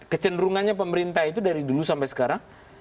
kecenderungannya pemerintah itu dari dulu sampai sekarang